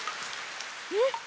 えっ？